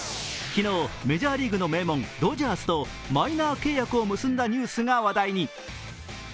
昨日、メジャーリーグの名門、ドジャースとマイナー契約を結んだニュースが話題に。